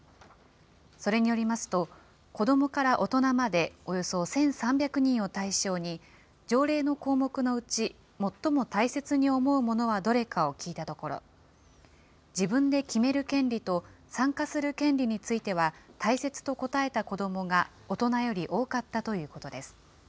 それによりますと、子どもから大人までおよそ１３００人を対象に、条例の項目のうち最も大切に思うものはどれかを聞いたところ、自分で決める権利と参加する権利については、大切と答えた子どもが大人より多かったということです。